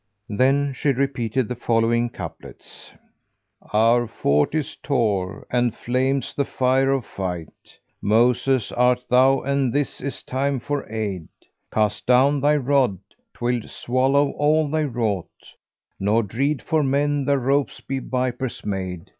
"[FN#422] Then she repeated the following couplets, "Our Fort is Tor,[FN#423] and flames the fire of fight: * Moses art thou and this is time for aid: Cast down thy rod, 'twill swallow all they wrought, * Nor dread for men their ropes be vipers made.